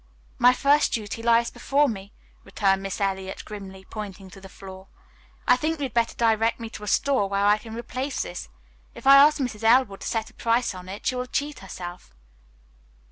"My first duty lies before me," returned Miss Eliot grimly, pointing to the floor. "I think you had better direct me to a store where I can replace this. If I ask Mrs. Elwood to set a price on it, she will cheat herself."